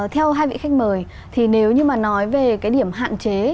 theo hai vị khách mời thì nếu như mà nói về cái điểm hạn chế